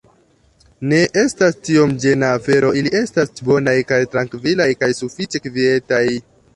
Ne estas tiom ĝena afero ili estas bonaj kaj trankvilaj kaj sufiĉe kvietaj